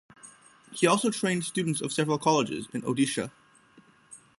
He also trained students of several colleges in Odisha.